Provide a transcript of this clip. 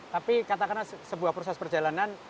tapi katakanlah sebuah proses perjalanan